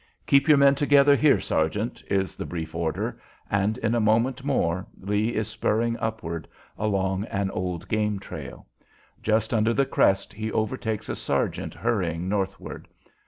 "Keep your men together here, sergeant," is the brief order, and in a moment more Lee is spurring upward along an old game trail. Just under the crest he overtakes a sergeant hurrying northward.